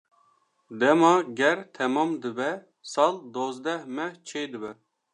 Dema ger temam dibe, sal dozdeh meh çêdibe.